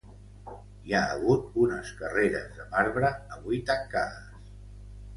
Hi ha hagut unes carreres de marbre, avui tancades.